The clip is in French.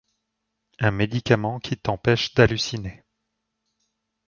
Un médicament qui t'empêche d'halluciner.